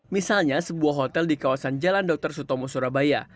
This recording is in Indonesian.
misalnya sebuah hotel di kawasan jalan dr sutomo surabaya